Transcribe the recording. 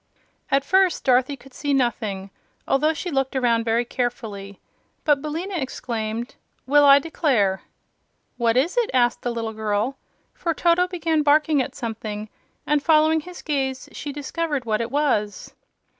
At first, Dorothy could see nothing, although she looked around very carefully. But Billina exclaimed: "Well, I declare!" "What is it?" asked the little girl: for Toto began barking at something, and following his gaze she discovered what it was.